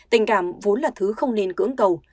tình cảm vốn là thứ không nên cưỡng cầu